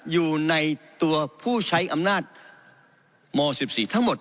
อยู่ในตัวผู้ใช้อำนาจม๑๔ทั้งหมด